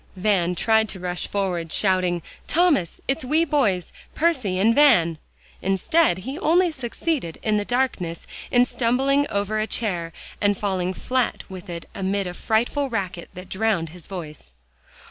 Van tried to rush forward shouting, "Thomas, it's we boys Percy and Van." Instead, he only succeeded in the darkness, in stumbling over a chair, and falling flat with it amid a frightful racket that drowned his voice.